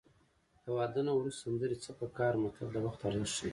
له واده نه وروسته سندرې څه په کار متل د وخت ارزښت ښيي